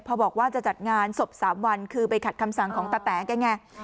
พอบอกว่าจะจัดงานศพ๓วันคือไปขัดคำสั่งของตาแต๋แกไง